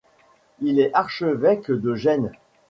Il est archevêque de Gênes.